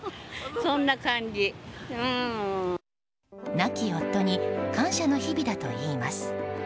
亡き夫に感謝の日々だといいます。